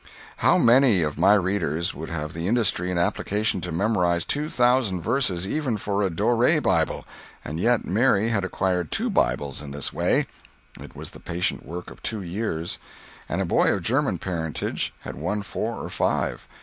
How many of my readers would have the industry and application to memorize two thousand verses, even for a Dore Bible? And yet Mary had acquired two Bibles in this way—it was the patient work of two years—and a boy of German parentage had won four or five.